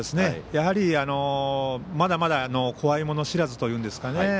やはり、まだまだ怖いもの知らずというんですかね